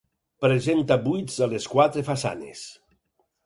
Presenta buits a les quatre façanes.